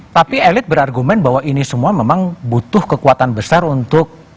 tapi elit berargumen bahwa ini semua memang butuh kekuatan besar untuk